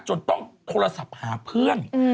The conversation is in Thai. จนต้องโทรศัพท์หาเพื่อน